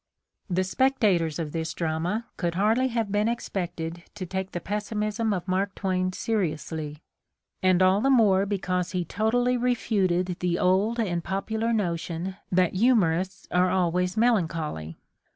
The spectators of this drama could hardly have been 4 The Ordeal of Mark Twain expected to take the pessimism of Mark Twain seriously, and all the more because he totally refuted the old and popular notion that humorists are always melancholy.